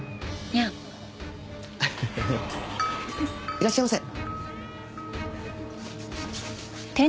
いらっしゃいませ。